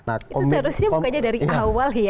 itu seharusnya bukannya dari awal ya